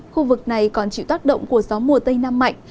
khu vực này còn chịu tác động của gió mùa tây nam mạnh